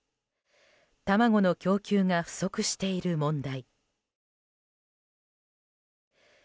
卵の供給が不足している問題。